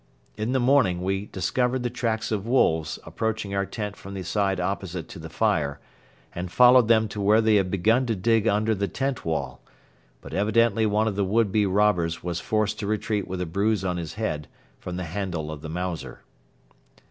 In the morning we discovered the tracks of wolves approaching our tent from the side opposite to the fire and followed them to where they had begun to dig under the tent wall; but evidently one of the would be robbers was forced to retreat with a bruise on his head from the handle of the Mauser.